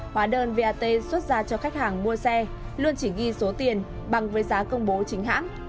hóa đơn vat xuất ra cho khách hàng mua xe luôn chỉ ghi số tiền bằng với giá công bố chính hãng